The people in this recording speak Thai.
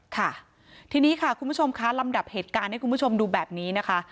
ค่ะทีนี้ค่ะคุณผู้ชมคะลำดับเหตุการณ์ให้คุณผู้ชมดูแบบนี้นะคะ